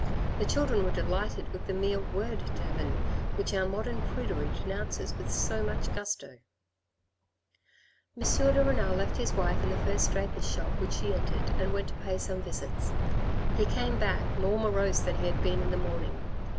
The children were delighted with the mere word tavern, which our modern prudery denounces with so much gusto. M. de Renal left his wife in the first draper's shop which she entered and went to. pay some visits. He came back more morose than he had been in the morning.